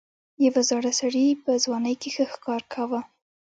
یو زاړه سړي په ځوانۍ کې ښه ښکار کاوه.